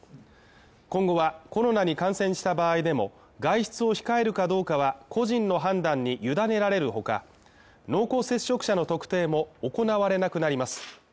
今後は、コロナに感染した場合でも、外出を控えるかどうかは個人の判断に委ねられる他、濃厚接触者の特定も行われなくなります。